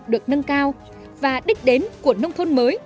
được nâng cao và đích đến của nông thôn mới